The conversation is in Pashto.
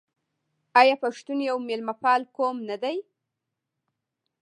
آیا پښتون یو میلمه پال قوم نه دی؟